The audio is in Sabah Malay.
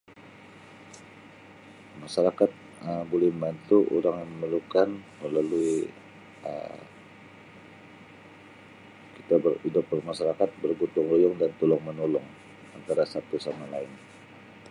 Masyarakat Um boleh membantu orang yang memerlukan melalui Um kita ber hidup bermasyarakat, bergotong-royong dan tolong-menolong antara satu sama lain.